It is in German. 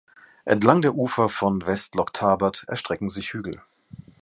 Entlang der Ufer von West Loch Tarbert erstrecken sich Hügel.